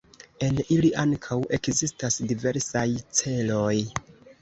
En ili ankaŭ ekzistas diversaj celoj.